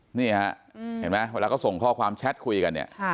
นี่ฮะเห็นไหมเวลาเขาส่งข้อความแชทคุยกันเนี่ย